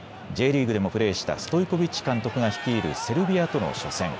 Ｊリーグでもプレーしたストイコビッチ監督が率いるセルビアとの初戦。